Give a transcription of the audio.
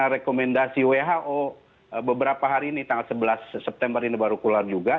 rekomendasi who beberapa hari ini tanggal sebelas september ini baru keluar juga